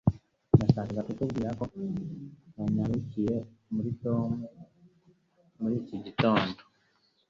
Nashakaga kukubwira ko nanyarukiye muri Tom muri iki gitondo.